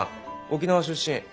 沖縄出身。